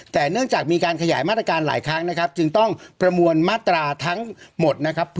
แต่เนื่องจากมีการขยายมาตรการหลายครั้งนะครับจึงต้องประมวลมาตราทั้งหมดนะครับ